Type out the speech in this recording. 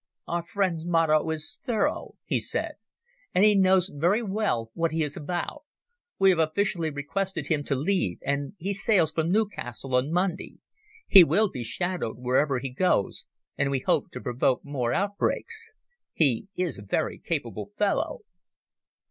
"Our friend's motto is 'Thorough'," he said, "and he knows very well what he is about. We have officially requested him to leave, and he sails from Newcastle on Monday. He will be shadowed wherever he goes, and we hope to provoke more outbreaks. He is a very capable fellow."